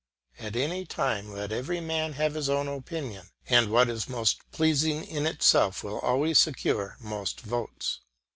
At any time let every man have his own opinion, and what is most pleasing in itself will always secure most votes.